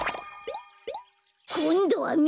こんどはみみ！？